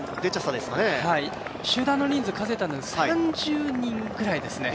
集団の人数を数えたんですけど３０人ぐらいですね。